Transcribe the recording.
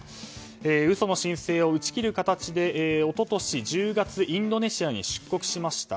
嘘の申請を打ち切る形で一昨年１０月インドネシアに出国しました。